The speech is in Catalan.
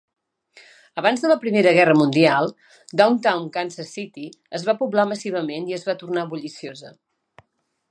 Abans de la Primera Guerra Mundial, Downtown Kansas City es va poblar massivament i es va tornar bulliciosa.